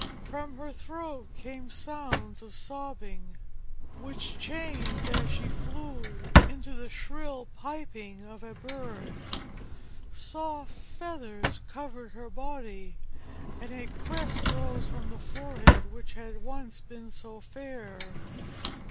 From her throat came sounds of sobbing, which changed as she flew into the shrill piping of a bird. Soft feathers now covered her body, and a crest rose above the forehead which had once been so fair.